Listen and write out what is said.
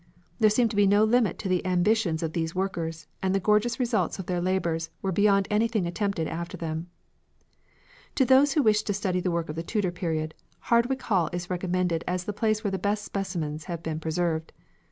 There seemed to be no limit to the ambitions of these workers, and the gorgeous results of their labours were beyond anything attempted after them. To those who wish to study the work of the Tudor period, Hardwick Hall is recommended as the place where the best specimens have been preserved.